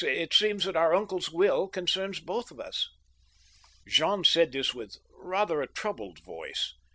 It seems that our uncle's will concerns both of us." Je^m said this with rather a troubled voice.